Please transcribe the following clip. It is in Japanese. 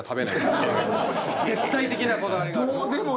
絶対的なこだわりがある。